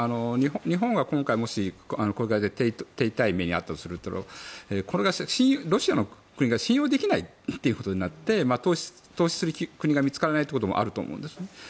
日本が今回もし手痛い目に遭ったとするとこれがロシアという国が信用できないとなって投資する国が見つからないってこともあると思うんです。